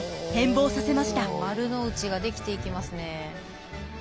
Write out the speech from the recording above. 丸の内が出来ていきますね。